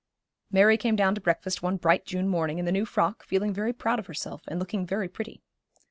Mary came down to breakfast one bright June morning, in the new frock, feeling very proud of herself, and looking very pretty.